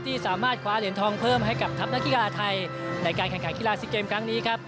สามารถคว้าเหรียญทองเพิ่มให้กับทัพนักกีฬาไทยในการแข่งขันกีฬาซีเกมครั้งนี้ครับ